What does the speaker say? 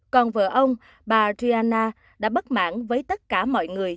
còn vợ ông bà riana đã bất mãn với tất cả mọi người